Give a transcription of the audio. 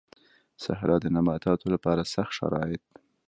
صحرا د نباتاتو لپاره سخت شرايط